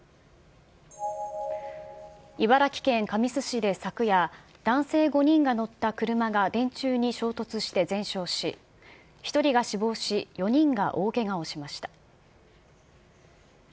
茨城県神栖市で昨夜、男性５人が乗った車が電柱に衝突して全焼し、１人が死亡し、４人が大けがをしました。